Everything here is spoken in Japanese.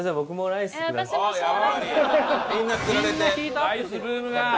ライスブームが！